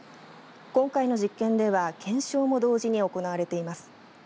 今回の実験では検証も同時に行われています。